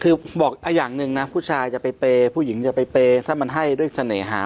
คือบอกอย่างหนึ่งนะผู้ชายจะไปเปย์ผู้หญิงจะไปเปย์ถ้ามันให้ด้วยเสน่หา